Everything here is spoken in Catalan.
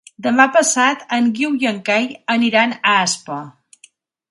Demà passat en Guiu i en Cai aniran a Aspa.